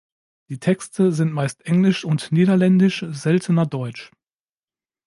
Die Texte sind meist Englisch und Niederländisch, seltener Deutsch.